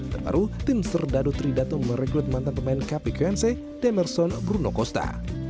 terbaru tim serdadu tridatu merekrut mantan pemain kp kwanse demerson bruno costa